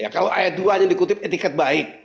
kalau ayat dua nya dikutip etiket baik